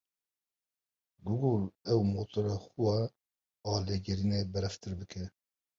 Google ew ê motora xwe ya lêgerînê berfirehtir bike.